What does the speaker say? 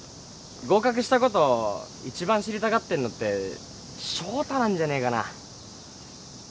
合格したことを一番知りたがってんのって翔太なんじゃねえかな？